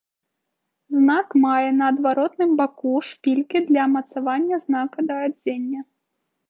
Знак мае на адваротным боку шпількі для мацавання знака да адзення.